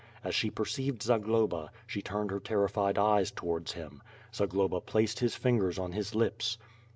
As she perceived Zagloba, she turned her ter rified eyes towards him. Zagloba placed his fingers on his lips.